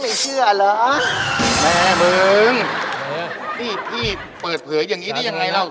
ไม่เชื่อเหรอแม่มึงนี่พี่เปิดเผยอย่างงี้ได้ยังไงเล่า